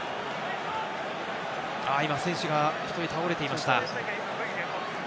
今選手が１人倒れていました。